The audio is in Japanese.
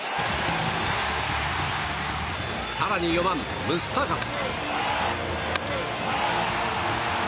更に４番、ムスタカス。